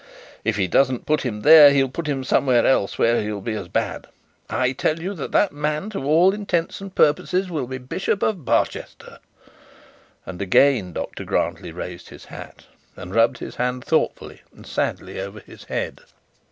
'If he doesn't put him there, he'll put him somewhere else where he'll be as bad. I tell you that that man, to all intents and purposes, will be Bishop of Barchester;' and again, Dr Grantly raised his hat, and rubbed his hand thoughtfully and sadly over his head.